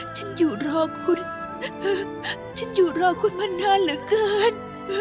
ฉันอยู่รอคุณฉันอยู่รอคุณมานานเหลือเกิน